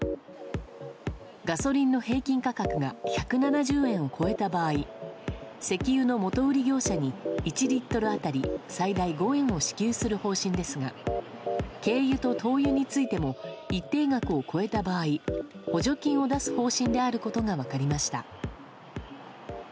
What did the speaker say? ガソリンの平均価格が１７０円を超えた場合、石油の元売り業者に１リットル当たり最大５円を支給する方針ですが、軽油と灯油についても、一定額を超えた場合、補助金を出す方針であることが分かりました。